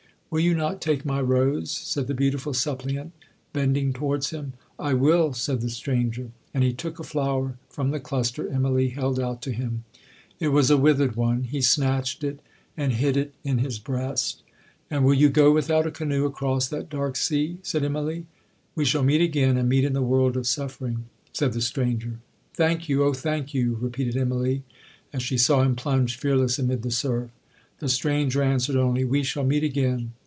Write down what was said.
Will you not take my rose,' said the beautiful suppliant, bending towards him. 'I will,' said the stranger; and he took a flower from the cluster Immalee held out to him. It was a withered one. He snatched it, and hid it in his breast. 'And will you go without a canoe across that dark sea?' said Immalee.—'We shall meet again, and meet in the world of suffering,' said the stranger.—'Thank you,—oh, thank you,' repeated Immalee, as she saw him plunge fearless amid the surf. The stranger answered only, 'We shall meet again.'